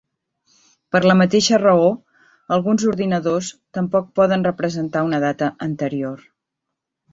Per la mateixa raó, alguns ordinadors tampoc poden representar una data anterior.